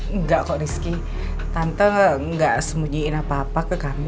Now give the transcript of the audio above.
eh enggak kok rizky tante gak sembunyiin apa apa ke kamu